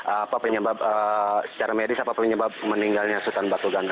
apa penyebab secara medis apa penyebab meninggalnya sultan batu ganda